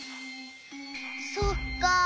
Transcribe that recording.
そっか。